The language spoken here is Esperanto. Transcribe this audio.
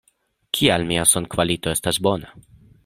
Kiel mia sonkvalito estas bona?